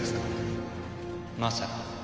まさか。